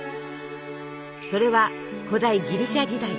それは古代ギリシャ時代。